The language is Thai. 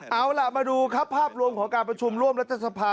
เอาล่ะมาดูครับภาพรวมของการประชุมร่วมรัฐสภา